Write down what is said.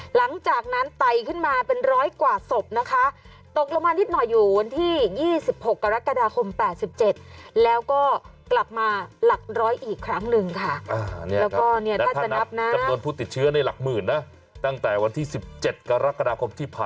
หลังจากนั้นไตขึ้นมาเป็น๑๐๐กว่าศพนะคะตกลงมานิดหน่อยอยู่วันที่๒๖กรกฎาคม๘๗แล้วก็กลับมาหลัก๑๐๐อีกครั้งนึงค่ะ